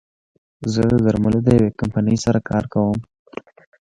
زه د درملو د يوې کمپنۍ سره کار کوم